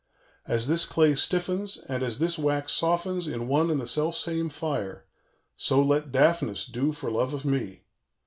_ "As this clay stiffens and as this wax softens in one and the self same fire, so let Daphnis do for love of me.